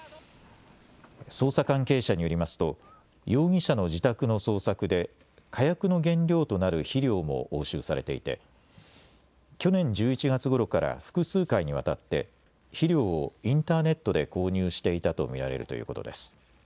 捜査関係者によりますと容疑者の自宅の捜索で火薬の原料となる肥料も押収されていて去年１１月ごろから複数回にわたって肥料をインターネットで購入していたと見られるということです。